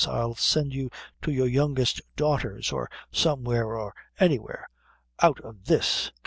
I'll send you to your youngest daughter's or somewhere, or any where, out of this.